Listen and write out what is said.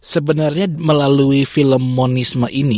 sebenarnya melalui film monisme ini